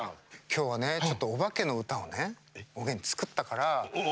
今日はねちょっとおばけの歌をねおげん、作ったから。